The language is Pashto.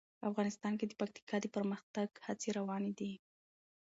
افغانستان کې د پکتیکا د پرمختګ هڅې روانې دي.